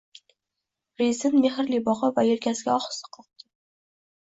Prezident mehrli boqib va yelkasiga ohista qoqdi.